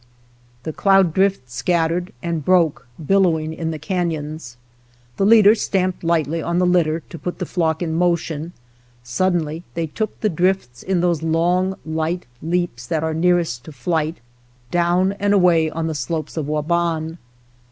The cloud drift scattered and broke billowing in the canons. The leader stamped lightly on the litter to put the flock in motion, suddenly they took the drifts in those long light leaps, that are nearest to flight, down and away on the slopes of Waban.